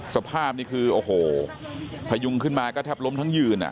สภาพนี่คือโอ้โหพยุงขึ้นมาก็แทบล้มทั้งยืนอ่ะ